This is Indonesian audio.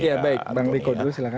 ya baik bang riko dulu silakan